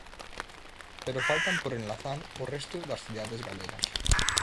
Pero faltan por enlazar o resto das cidades galegas.